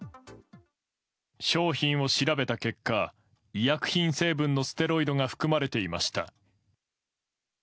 商品を調べた結果医薬品成分のステロイドが含まれていました。